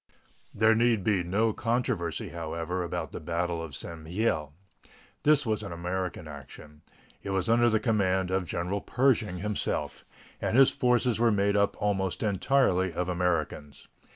There need be no controversy, however, about the battle of St. Mihiel. This was an American action. It was under the command of General Pershing himself, and his forces were made up almost entirely of Americans.